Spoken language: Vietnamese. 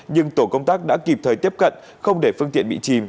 nhưng tổ công tác đã kịp thời tiếp cận không để phương tiện bị chìm